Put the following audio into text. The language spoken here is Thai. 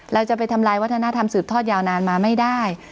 เราจะไปทำลายวัฒนธรรมสืบทอดยาวนานมาไม่ได้